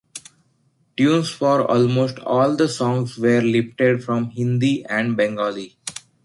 Tunes for almost all the songs were lifted from Hindi and Bengali.